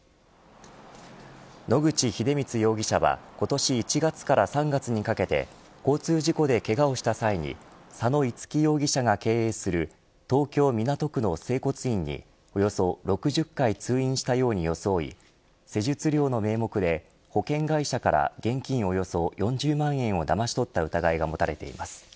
野口英光容疑者は今年１月から３月にかけて交通事故でけがをした際に佐野五来容疑者が経営する東京、港区の整骨院におよそ６０回通院したように装い施術料の名目で保険会社から現金およそ４０万円をだまし取った疑いが持たれています。